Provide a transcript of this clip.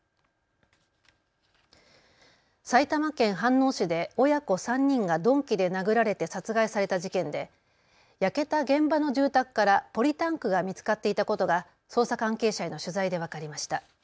埼玉県飯能市で親子３人が鈍器で殴られて殺害された事件で焼けた現場の住宅からポリタンクが見つかっていたことが捜査関係者への取材で分かりました。